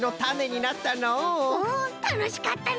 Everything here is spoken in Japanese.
うんたのしかったね！